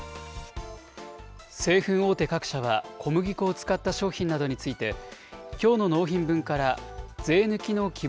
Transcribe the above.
製粉大手各社は小麦粉を使った商品などについて、きょうの納品分から税抜きの希望